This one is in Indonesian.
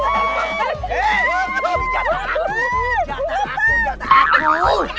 eh jatah aku jatah aku jatah aku